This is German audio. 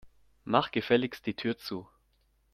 Mach gefälligst die Tür zu.